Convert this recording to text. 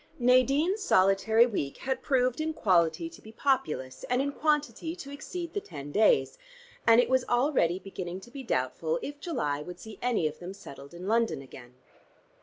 Nadine's solitary week had proved in quality to be populous, and in quantity to exceed the ten days, and it was already beginning to be doubtful if July would see any of them settled in London again.